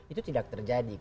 itu tidak terjadi